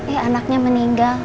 eh anaknya meninggal